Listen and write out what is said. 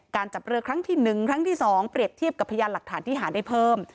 จับเรือครั้งที่๑ครั้งที่๒เปรียบเทียบกับพยานหลักฐานที่หาได้เพิ่ม